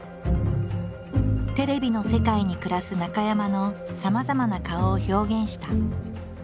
テレビの世界に暮らす中山のさまざまな顔を表現した。